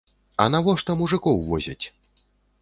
А навошта мужыкоў возяць?